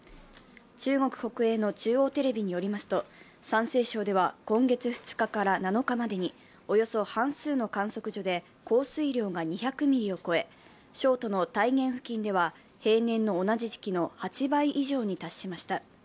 中国国営の中央テレビによりますと山西省では今月２日から７日までにおよそ半数の観測地で降水量が２００ミリを超え、省都の太原付近では平年の同じ時期の８倍以上に達しました。